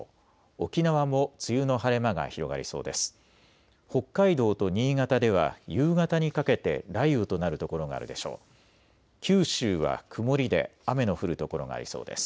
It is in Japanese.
沖縄も梅雨の晴れ間が広がりそうです。